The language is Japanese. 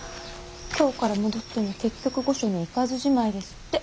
京から戻っても結局御所には行かずじまいですって。